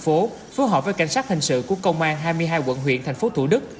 phối hợp với cảnh sát hình sự của công an hai mươi hai quận huyện tp thủ đức